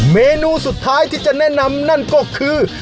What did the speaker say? เมนูสุดท้ายที่จะแนะนำนั่นก็คือ